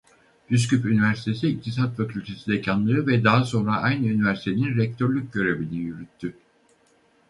Üsküp Üniversitesi İktisat Fakültesi dekanlığı ve daha sonra aynı üniversitenin rektörlük görevini yürüttü.